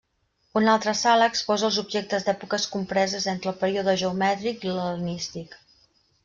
Una altra sala exposa els objectes d'èpoques compreses entre el període geomètric i l'hel·lenístic.